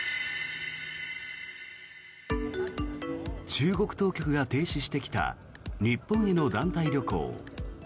中国当局が停止してきた日本への団体旅行。